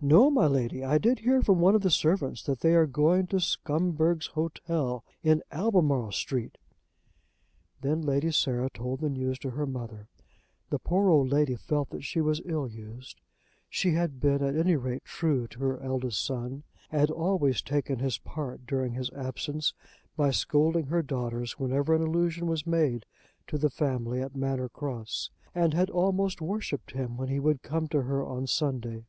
"No, my Lady. I did hear from one of the servants that they are going to Scumberg's Hotel, in Albemarle Street." Then Lady Sarah told the news to her mother. The poor old lady felt that she was ill used. She had been at any rate true to her eldest son, had always taken his part during his absence by scolding her daughters whenever an allusion was made to the family at Manor Cross, and had almost worshipped him when he would come to her on Sunday.